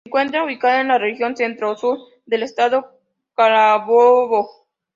Se encuentra ubicada en la "Región Centro-Sur" del Estado Carabobo.